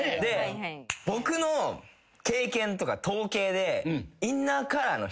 僕の経験とか統計で。